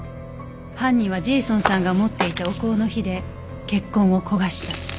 犯人はジェイソンさんが持っていたお香の火で血痕を焦がした。